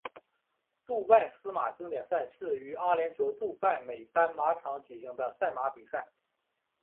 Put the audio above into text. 杜拜司马经典赛是于阿联酋杜拜美丹马场举行的赛马比赛。